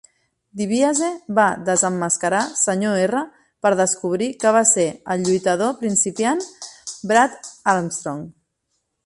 Dibiase va desemmascarar Sr. R per descobrir que va ser el lluitador principiant Brad Armstrong.